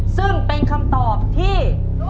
ซึ่งเป็นคำตอบที่